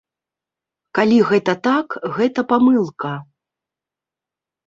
Калі гэта так, гэта памылка.